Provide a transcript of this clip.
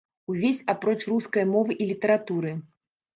Увесь, апроч рускай мовы і літаратуры.